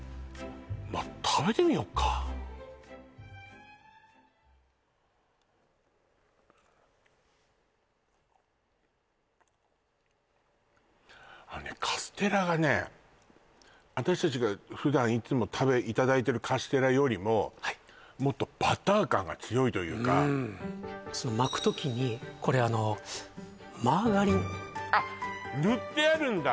まあ食べてみよっかあのねカステラがね私たちが普段いつもいただいてるカステラよりももっとバター感が強いというか巻く時にこれあのマーガリンあっ塗ってあるんだ